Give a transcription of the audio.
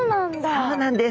そうなんです。